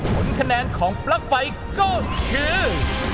ผลคะแนนของปลั๊กไฟก็คือ